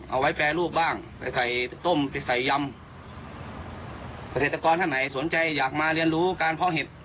เอาไว้แปรรูปบ้างไปใส่ต้มไปใส่ยำเกษตรกรท่านไหนสนใจอยากมาเรียนรู้การเพาะเห็ด